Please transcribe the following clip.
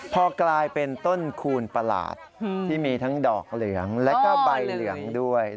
พอกลายเป็นต้นคูณประหลาดที่มีทั้งดอกเหลืองแล้วก็ใบเหลืองด้วย